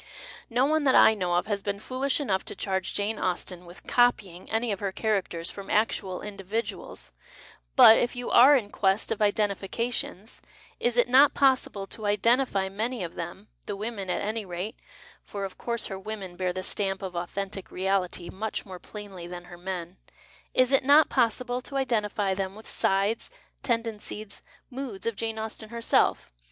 No one that I know of has been foolish enough to charge Jane Austen with '' copying "' any of her characters from actual individuals, but, if you are in quest of " identifica tions," is it not possible to " identify " many of them, the women at any rate — for, of course, her women bear the stamp of authentic reality much more plainly than her men — is it not possible to identify them with sides, tendencies, moods of Jane Austen herself